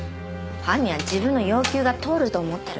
犯人は自分の要求が通ると思ってる。